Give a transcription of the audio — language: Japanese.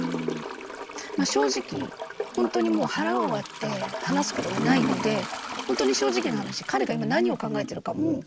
正直本当にもう腹を割って話すことがないので本当に正直な話彼が今何を考えているかも。